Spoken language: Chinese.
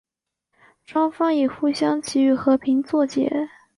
双方以相互给予和平作结。